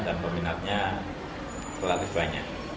dan peminatnya terlalu banyak